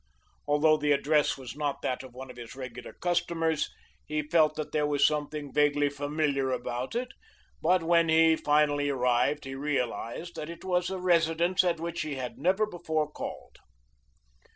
Although the address was not that of one of his regular customers he felt that there was something vaguely familiar about it, but when he finally arrived he realized that it was a residence at which he had never before called.